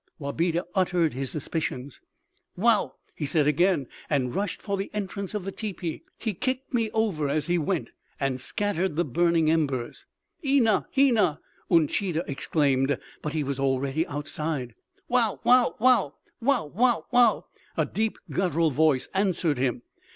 Wabeda uttered his suspicions. "Woow!" he said again, and rushed for the entrance of the teepee. He kicked me over as he went and scattered the burning embers. "En na he na!" Uncheedah exclaimed, but he was already outside. "Wow, wow, wow! Wow, wow, wow!" A deep guttural voice answered him.